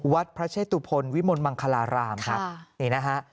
วัดพระเชตุพลวิมลมังคลารามครับนี่นะฮะ